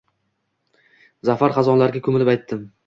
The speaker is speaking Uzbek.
Za’far xazonlarga ko’milib aytdim